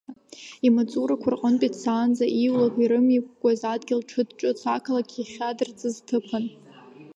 Имаҵурақәа рҟынтәи дцаанӡа, ииулак ирымикәкәааз адгьыл ҽыҭ, ҿыц ақалақь иахьадырҵаз ҭыԥын.